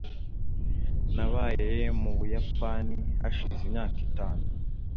nabaye mu buyapani hashize imyaka itatu